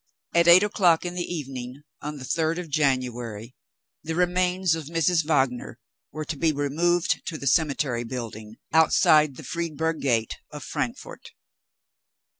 At eight o'clock in the evening, on the third of January, the remains of Mrs. Wagner were to be removed to the cemetery building, outside the Friedberg Gate of Frankfort.